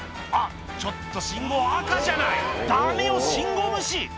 「あっちょっと信号赤じゃない」「ダメよ信号無視！」